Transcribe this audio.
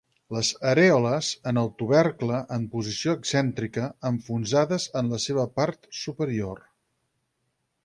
Les arèoles en el tubercle en posició excèntrica, enfonsades en la seva part superior.